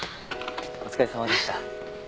お疲れさまでした。